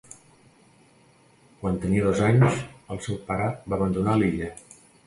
Quan tenia dos anys el seu pare va abandonar l'illa.